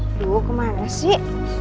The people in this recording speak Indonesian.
aduh kemana sih